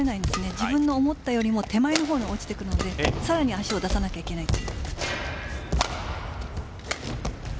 自分の思ったよりも手前の方に落ちてくるのでさらに足を出さなければいけないです。